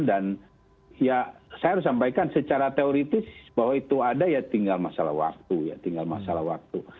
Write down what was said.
dan saya harus sampaikan secara teoritis bahwa itu ada ya tinggal masalah waktu